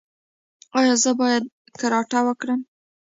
ایا زه باید کراټه وکړم؟